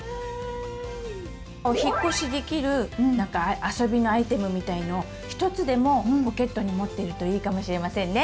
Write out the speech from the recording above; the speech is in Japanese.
「お引っ越しできる」あそびのアイテムみたいのをひとつでもポケットに持ってるといいかもしれませんね！